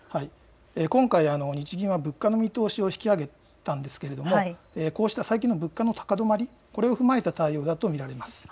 今回、日銀は物価の見通しを引き上げたんですけれどもこうした最近の物価の高止まり、これを踏まえた対応だと見られます。